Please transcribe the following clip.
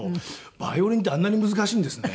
バイオリンってあんなに難しいんですね。